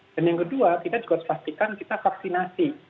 dan yang kedua kita juga harus pastikan kita vaksinasi